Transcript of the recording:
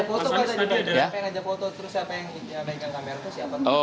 siapa yang ngajak foto siapa yang ngajak kamera siapa yang ngajak foto